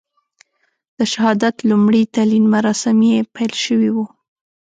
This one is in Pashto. د شهادت لومړي تلین مراسم یې پیل شوي وو.